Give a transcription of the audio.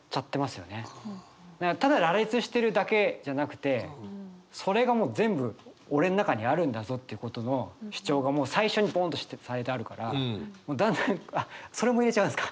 ただ羅列してるだけじゃなくてそれがもう全部俺の中にあるんだぞってことの主張が最初にボンとされてあるからだんだんあっそれも入れちゃうんすか